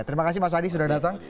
terima kasih mas adi sudah datang